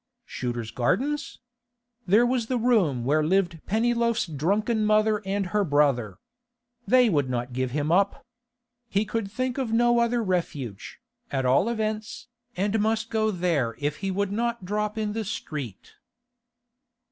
Shooter's Gardens? There was the room where lived Pennyloaf's drunken mother and her brother. They would not give him up. He could think of no other refuge, at all events, and must go there if he would not drop in the street.